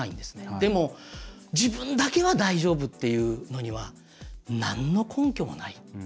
でも、自分だけは大丈夫っていうのにはなんの根拠もない。